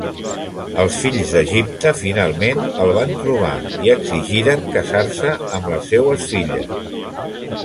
Els fills d'Egipte, finalment, el van trobar i exigiren casar-se amb les seues filles.